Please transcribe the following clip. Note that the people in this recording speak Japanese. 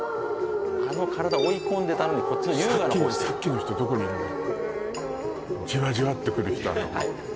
あの体追い込んでたのにこっちの優雅なさっきの人どこにいんだろじわじわっとくる人